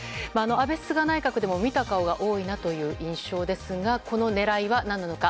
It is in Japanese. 安倍、菅内閣でも見た顔が多いなという印象ですがこの狙いは何なのか。